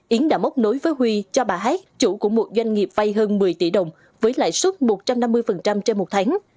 yến đã mốc nối với huy cho bà hát chủ của một doanh nghiệp vay hơn một mươi tỷ đồng với lãi suất một trăm năm mươi trên một tháng